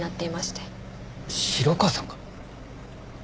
城川さんが？